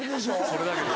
それだけ。